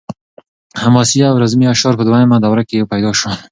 حماسي او رزمي اشعار په دویمه دوره کې پیدا شول.